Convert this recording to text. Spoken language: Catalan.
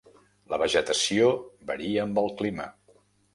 La vegetació varia amb el clima.